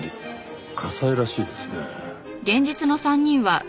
加西らしいですね。